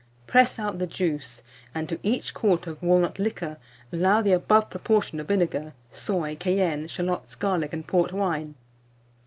Press out the juice, and to each quart of walnut liquor allow the above proportion of vinegar, soy, cayenne, shalots, garlic, and port wine.